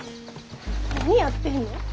何やってるの？